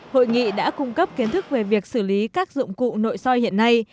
hội nghị đã cung cấp kiến thức về việc xử lý các dụng cụ nội soi hiện nay